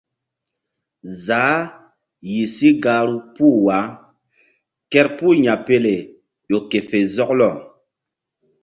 Zaah yih si gahru puh wah kerpuh Yapele ƴo ke fe zɔklɔ.